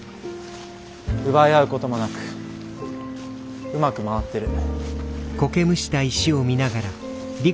奪い合うこともなくうまく回ってる。